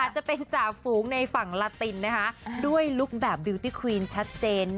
จะเป็นจ่าฝูงในฝั่งลาตินนะคะด้วยลุคแบบบิวตี้ควีนชัดเจน